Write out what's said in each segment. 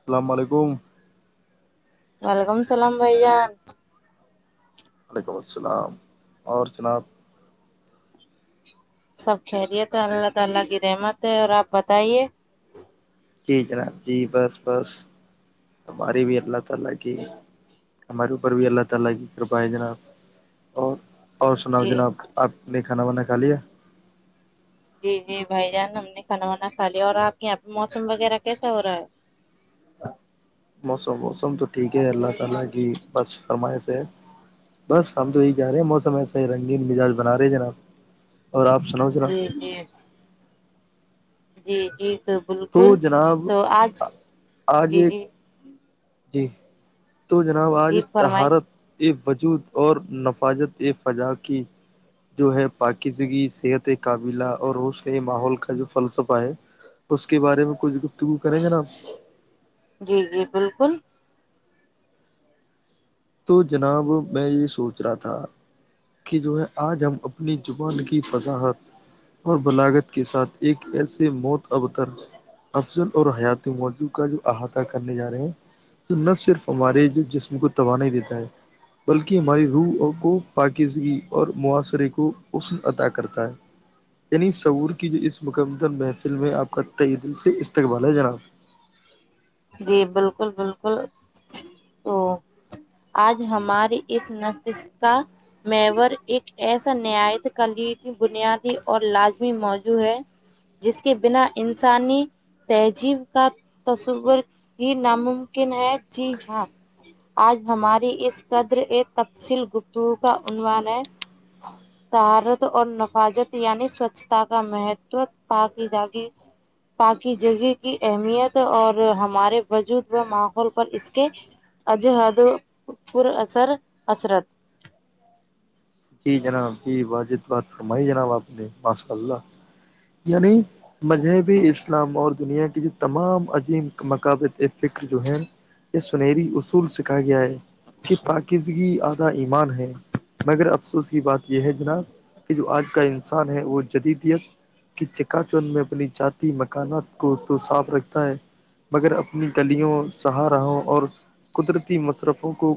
السلام و علیکم ولکم السلام بھیا وعلیکم السلام اور جناب سب خیریت ہے اللہ تعالی کی رحمت ہے اور آپ بتائیے جی جناب جی بس بس ہماری بھی اللہ تعالی کی ہمارے اوپر بھی اللہ تعالی کی کرپا ہے جناب اور اور سناؤ جی جناب آپ نے کھانا وانا کھا لیا جی جی بھائی جان ہم نے کھانا وانا کھا لیا اور آپ کے یہاں پہ موسم وغیرہ کیسا ہو رہا ہے [inaudible] موسم موسم تو ٹھیک ہے اللہ تعالی کی بس فرمائش ہے بس ہم تو یہی چاہ رہے ہیں موسم ایسا ہی رنگین مزاج بنا رہے ہیں جناب اور آپ سناؤ جی جناب جی جی جی تو بالکل تو جناب تو آج آج جی ایک جی جی تو جناب آج جی طہارت فرمائیے وجود اور نفاجت فضا کی جو ہے پاکیزگی صحت قابلہ اور روشن ماحول کا جو فلسفہ ہے اس کے بارے میں کچھ گفتگو کریں گے جناب جی جی بالکل تو جناب میں یہ سوچ رہا تھا کہ جو ہے آج ہم اپنی زبان کی وضاحت اور بلاغت کے ساتھ ایک ایسے موت ابتر افضل اور حیاتی موضوع کا جو احاطہ کرنے جا رہے ہیں تو نا صرف ہمارے جو جسم کو توانائی دیتا ہے بلکہ ہماری روح اور کو پاکیزگی اور معاصرے کو حسن عطا کرتا ہے یعنی شعور کی جو اس مکمدم محفل میں آپ کا تہ دل سے استقبال ہے جناب جی بالکل بالکل تو آج ہماری اس نشست کا محور ایک ایسا نہایت خلیجی بنیادی اور لازمی موجوع ہے جس کے بنا انسانی تہجیب کا تصور یہ ناممکن ہے جی ہاں آج ہماری اس قدر ایک تفصیل گفتگو کا عنوان ہے [inaudible] تہارت اور نفاظت یعنی سوچھتا کا مہتو پاکیزاگی پاکی جگہ کی اہمیت اور ہمارے وجود و ماحول پر اس کے [unintelligible] اثر اثرت جی جناب جی واجب بات فرمائی جناب آپ نے ماساء اللہ یعنی مذہبی اسلام اور دنیا کی جو تمام عظیم مقابت فکر جو ہیں یہ سنہری اصول سکھا گیا ہے کہ پاکیزگی آدھا ایمان ہے مگر اب افسوس کی بات یہ ہے جناب کہ جو آج کا انسان ہے وہ جدیدیت کہ چکا چند میں اپنی ذاتی مکانات کو تو صاف رکھتا ہے مگر اپنی گلیوں شاہ راہوں اور قدرتی مصرفوں کو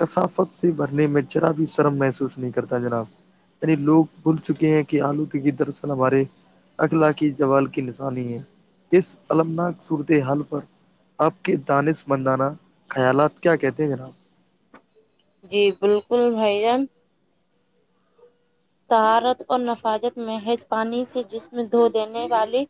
کثافت سے بھرنے میں ذرا بھی شرم محسوس نہیں کرتا جناب یعنی لوگ بھول چکے ہیں کے آلودگی دراصل ہمارے اخلاقی زوال کی نشانی ہے اس المناک صورت حال پر آپ کے دانشمندانہ خیالات کیا کہتے ہیں جناب جی بالکل بھائی جان طہارت اور نجاست محض پانی سے جسم دھو دینے والی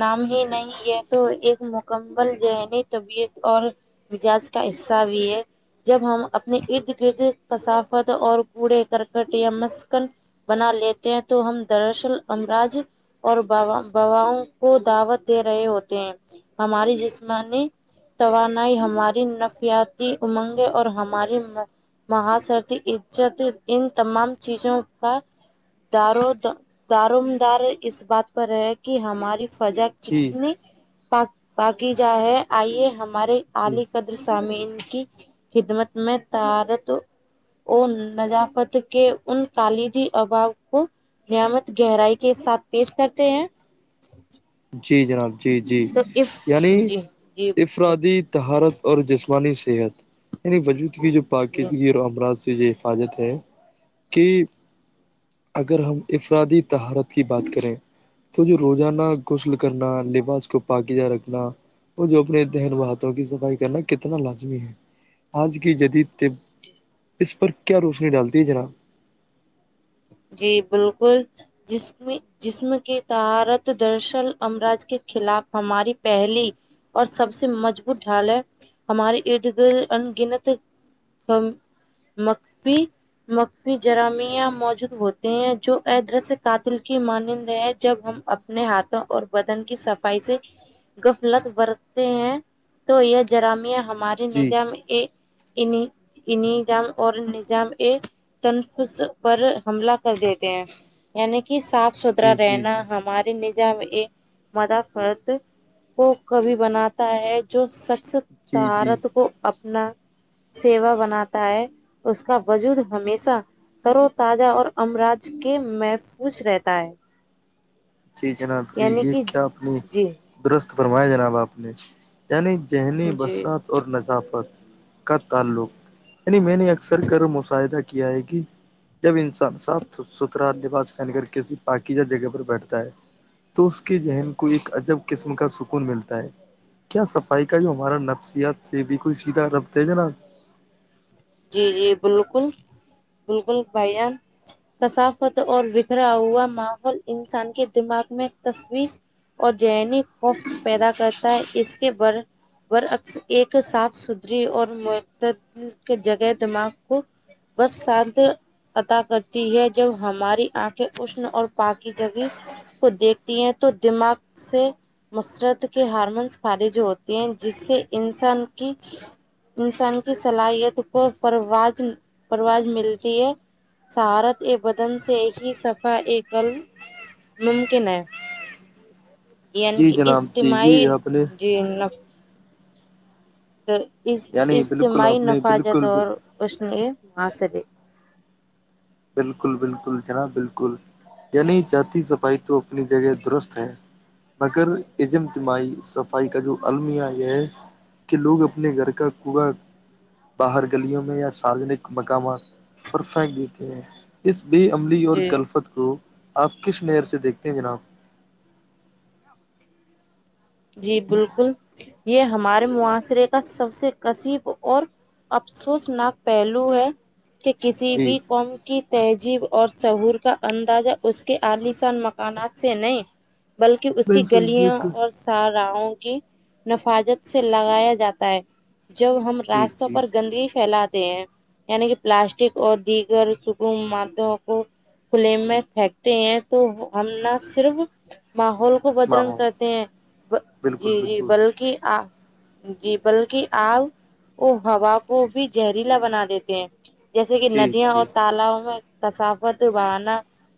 نام ہی نہیں یہ تو ایک مکمل ذہنی طبیعت اور مزاج کا حصہ بھی ہے جب ہم اپنے ارد گرد کثافت اور کوڑے کرکٹ یا مس کن بنا لیتے ہیں تو ہم دراصل امراض اور وباؤں کو دعوت دے رہے ہوتے ہیں ہماری جسمانی توانائی ہماری نفسیاتی امنگیں اور ہماری معاشرتی عزت ان تمام چیزوں کا دار و دا دار و مدار اس بات پر ہے کہ ہماری فضا جی کتنی پاک پاکیزہ ہے آئیے ہمارے جی [unintelligible] سامعین کی خدمت میں طہارت وہ نضافت کے ان کوالٹی عوام کو نعمت گہرائی کے ساتھ پیش کرتے ہیں جی جناب جی جی تو اس یعنی اس جی جی بالکل انفرادی طہارت اور جسمانی صحت یعنی وجود کی جو جی پاکیزگی و امراض سے یہ حفاظت ہے کی اگر ہم انفرادی طہارت کی بات کریں تو یہ روزانہ غسل کرنا لباس کو پاکیزہ رکھنا وہ جو اپنے تن و ہاتھوں کی صفائی کرنا کتنا لازمی ہے آج کی جدید طب اس پر کیا روشنی ڈالتی ہے جناب جی بالکل جس میں جسم کی طہارت دراصل امراض کے خلاف ہماری پہلی اور سب سے مضبوط ڈھال ہے ہمارے ارد گرد انگنت مکفی مکفی جرامیہ موجود ہوتے ہیں جو ادھر قاتل کی مانند ہیں جب ہم اپنے ہاتھوں اور بدن کی صفائی سے غفلت برتے ہیں تو یہ جرامیہ ہمارے جی نظام ے انظام اور نظام ا تنفظ پر حملہ کر دیتے ہیں یعنی کہ صاف ستھرا جی جی رہنا جی ہمارے ن جمعہ مادافات کو کو بھی بناتا تا ہے جو شخص جی جی طہارت کو اپنا سیوا بناتا ہے اس کا وجود ہمیشہ تر و تازہ اور امراج کے محفوظ رہتا ہے جی جناب جی یعنی یہ کہ کیا اپ نے جی درست فرمایا جناب آپ نے یعنی ذہنی جی جی وسعت اور نذافت کا تعلق یعنی میں نے اکثر کر مشاہدہ کیا ہے کہ جب انسان صاف سا ستھرا لے بعد فین کر کے دوباکیجگہ پر بیٹھتے ہے تو اس کے ذہن کو ایک عجب قسم کا سکون ملتا ہے کیا صفائی کا جو ہمارا نفسیات سے بھی کوئی سیدھا ربط ہے نا جی جی بالکل بالکل بھائی جان کثافت اور بکھرا ہوا ماحول انسان کے دماغ میں تشویس اور ذہنی خفت پیدا کرتا ہے اس کے بر بر عکس ایک صاف ستھری اور معت جگہ دماغ کو بس سانت پتا کرتی ہے جب ہماری آنکھیں اشن اور پاکی جگی کو دیکھتی ہیں تو دماغ سے مسرت کے ہارمونس خارج ہوتے ہیں جس سے انسان کی انسان کی صلاحیت کو پرواز پرواز ملتی ہے سہارت ا بدن سے ہی صفہ ایکل ممکن ہے یعنی جی کہ جناب جی اجتماعی یہ آپ نے جی یعنی بالکل اجتماعی آپ نے نفاجت بالکل اور اس نے ماسرے بالکل بالکل جناب بالکل یعنی جاتی صفائی تو اپنی جگہ درست ہے مگر اجمتماعی صفائی کا جو المیہ یہ ہے کہ لوگ اپنے گھر کا کوڑا باہر گلیوں میں یا ساروجنک مقامات پر پھانیک اس بے عملی اور جی غلفت کو آپ کس نہر سے دیکھتے ہیں جناب جی بالکل یہ ہمارے معاشرے کا سب سے قصب اور افسوسناک پہلو ہے کہ کسی جی بھی قوم کی تہذیب اور شہور کا اندازہ اس کے عالیسان مکانات سے نہیں بلکہ اس کی بالکل گلیاں بالکل اور سا راہو کی نفاجت سے لگایا جاتا ہے جب ہم جی راستوں جی پر گندگی پھیلاتے ہیں یعنی کہ پلاسٹک اور دیگر سکم معدوں کو کھلے میں پھینکتے ہیں تو ہم نہ صرف ماحول کو میں بدرنگ ہوں کرتے ہیں بالکل جی جی بالکل بلکہ آپ جی بلکہ آپ و ہوا کو بھی زہریلا بنا دیتے ہیں جیسے کہ جی ندیاں ہو جی تالابو میں کسافت بانہ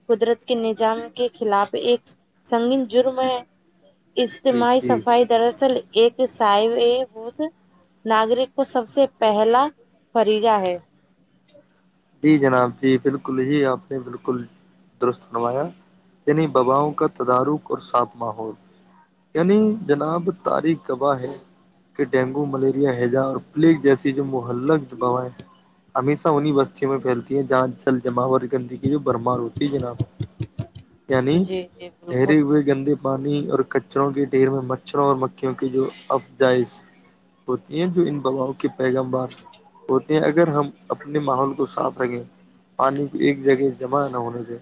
قدرت کے نظام کے خلاف ایک سنگین جرم ہے جی اجتماعی جی صفائی دراصل ایک سائے ناگرک کو سب سے پہلا فریجا ہے جی جناب جی بالکل ہی آپ نے بالکل درست نوایا یعنی بباؤں کا تدارک اور صاف ماحول یعنی جناب تاریخ گواہ ہے کہ ڈینگو ملیریا ہیجا جیسی جو محلک وبایں ہمیشہ انہیں وس بچے میں پھیلتی ہیں جہاں جل جما ہوور گندگی جو برمار ہوتی ہے جناب یعنی جی جی بالکل ٹھہرے ہوئے گندے پانی اور کچروں کے ڈھیر میں مچھروں اور مکھیوں کی جو افجائز ہوتی ہیں جو ان وباؤں کے پیغم بار ہوتے ہیں اگر ہم اپنے ماحول کو صاف رکھے پانی کو ایک جگہ جمع نہ ہونے دے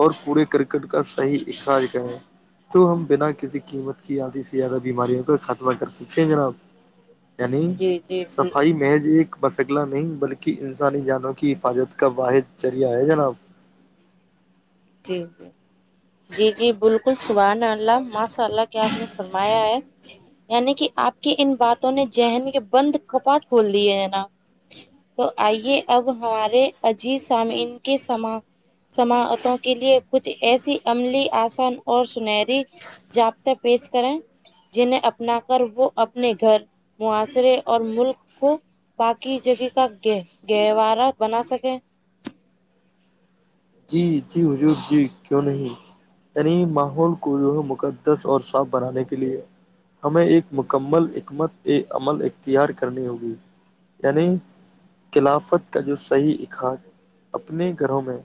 اور پورے کرکٹ کا صحیح اکھاج کا ہے تو ہم بنا کسی قیمت کی آدھی سے زیادہ بیماریوں کا خاتما کر سکتے ہیں جناب یعنی جی جی بال صفائی محض ایک مسغلہ نہیں بلکہ انسانی جان کی حفاظت کا واحد ذریعہ ہے جناب جی جی جی جی بالکل سبحان اللہ ماشاء اللہ کیا آپ نے فرمایا ہے یعنی کہ آپ کی ان باتوں نے ذہن کے بند کپاٹ کھول دیے ہے نہ تو آئیے اب ہمارے عجیز سامئین کے سما سماعتوں کے لیے کچھ ایسی عملی آسان اور سنہری جابطہ پیش کریں جنہیں اپنا کر وہ اپنے گھر معاشرے اور ملک کو باقی جگہ کا گ گہوارا بنا سکے جی جی حضور جی کیوں نہیں ترین ماحول کو جو ہے مقدس اور صاف بنانے کے لیے ہمیں ایک مکمل حکمت عمل اختیار کرنی ہوگی یعنی کلافت کا جو صحیح اخاج اپنے گھروں میں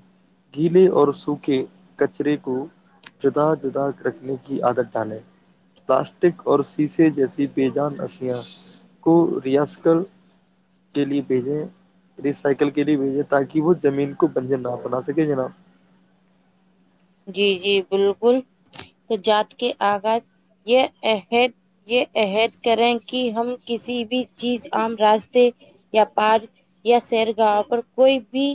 گیلے اور سوکھے کچرے کو جدا جدا رکھنے کی عادت ڈالیں پلاسٹک اور شیسے جیسے بے جان اشیاء کو ریاس کل کے لیے بھیجیں ریسائیکل کے لیے بھیجیں تاکہ وہ زمین کو بنجر نہ بناپاۓ صحیح جناب جی جی بالکل جات کے آغاز یہ عہد یہ عہد کریں کہ ہم کسی بھی چیز عام راستے یا پار یا سیر گاہ پر کوئی بھی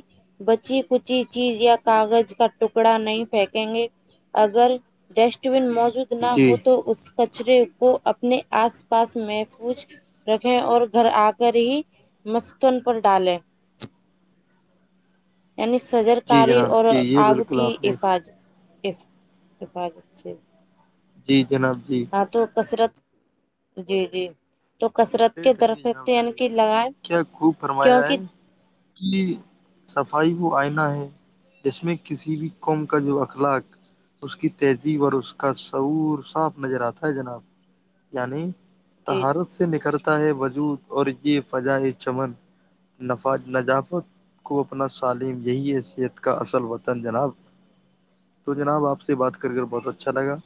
بچی کچی چیز یا کاغذ کا ٹکڑا نہیں پھینکیں گے اگر ڈسٹ بین موجود نہ جی ہو تو اس ک کچرے کو اپنے آس پاس محفوظ رکھیں اور گھر آ کر ہی مسکن پر ڈالیں یعنی شجر جی کاری جناب اور جی یہ آپ بالکل کی نے حفاظ حفاظ اچ جی جناب جی ہاں تو کثرت جی جی تو کثرت کے ترف ڈٹیے درخت جناب تین ڈٹیے بھی لگائے کیا خوب فرمایا کیونکه ہے کہ صفائی کو آئینہ ہے جس میں کسی بھی قوم کا جو اخلاق اس کی تہذیب اور اس کا سعور صاف نظر آتا ہے جناب یعنی جی تہارت سے نکھرتا ہے وجود اور یہ فجا ہے چمن نفاذ نذافت کو اپنا سالم یہی ہے صحت کا اصل وطن جناب تو جناب آپ سے بات کر کر بہت اچھا لگا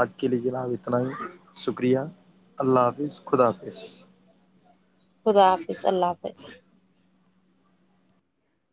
آج کے لیے جناب اتناہی شکریہ اللہ حافظ خدا حافظ خدا حافظ اللہ حافظ